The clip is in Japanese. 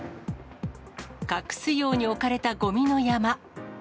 隠すように置かれたごみの山。